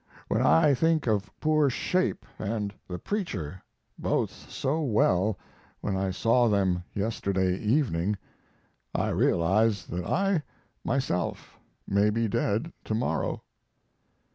When I think of poor "Shape" and the preacher, both so well when I saw them yesterday evening, I realize that I myself may be dead to morrow.